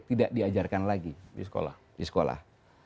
tidak diajarkan lagi di sekolah